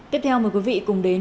tiếp theo mời quý vị cùng đến